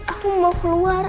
aku mau keluar